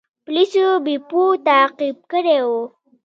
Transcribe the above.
پولیسو بیپو تعقیب کړی و.